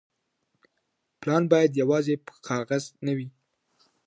پلان بايد يوازي په کاغذ نه وي.